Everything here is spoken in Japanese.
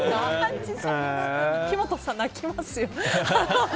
秋元さん、泣きますよ。